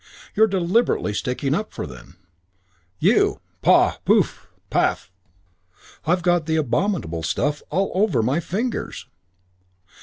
"You're deliberately sticking up for them. You pah! pouff! paff! I have got the abominable stuff all over my fingers."